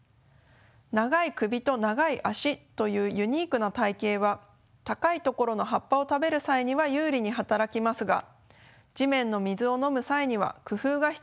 長い首と長い脚というユニークな体形は高い所の葉っぱを食べる際には有利に働きますが地面の水を飲む際には工夫が必要となります。